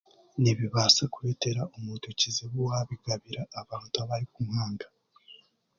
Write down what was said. Nibibaasa kureetera omuntu ekizibu waabigabira abantu abari mu muhanda